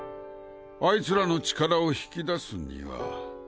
あいつらの力を引き出すには。